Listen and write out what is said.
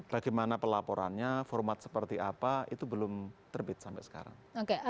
bagaimana pelaporannya format seperti apa itu belum terbit sampai sekarang